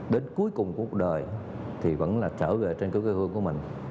đến cuối cùng của cuộc đời thì vẫn là trở về trên cái quê hương của mình